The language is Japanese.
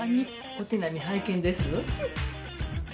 お手並み拝見ですわ。